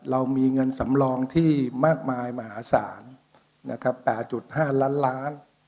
เรามีเงินสำรองที่มากมายมหาศาล๘๕ล้าน